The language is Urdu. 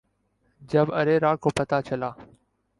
جب ارے راہ کو پتہ چلا